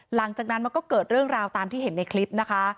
หลังจากนั้นมันก็เกิดเรื่องราวตามที่เห็นในคลิปนะคะ